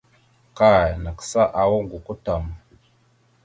Kay nagsáawak gokwa tam.